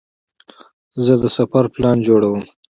زه د سفر پلان جوړوم.